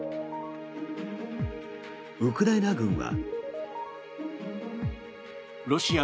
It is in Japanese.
ウクライナ軍は。